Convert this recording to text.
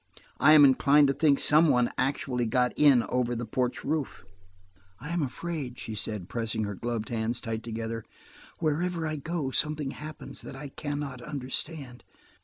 "I am inclined to think some one actually got in over the porch roof." "I am afraid," she said, pressing her gloved hands tight together. "Wherever I go, something happens that I can not understand.